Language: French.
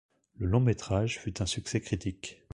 Le long métrage fut un succès critique.